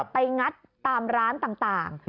งัดตามร้านต่าง